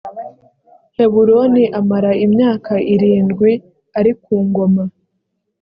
heburoni amara imyaka irindwi ari ku ngoma